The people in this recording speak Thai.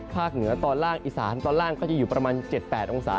เหนือตอนล่างอีสานตอนล่างก็จะอยู่ประมาณ๗๘องศา